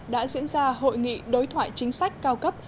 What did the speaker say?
đã diễn ra hội nghị đối thoại chính sách cao cấp